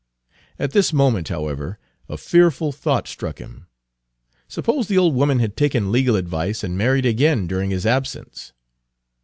At this moment, however, a fearful thought struck him; suppose the old woman had taken legal advice and married again during his absence?